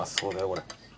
これ。